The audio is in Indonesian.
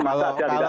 masa saja tidak tahu